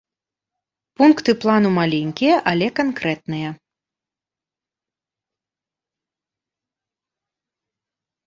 Пункты плану маленькія, але канкрэтныя.